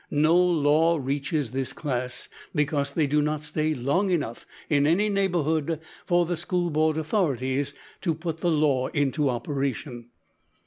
No law reaches this class, because they do not stay long enough in any neighbourhood for the school board authorities to put the law into operation.